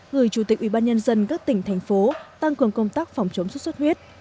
gửi chủ tịch ubnd các tỉnh thành phố tăng cường công tác phòng chống xuất xuất huyết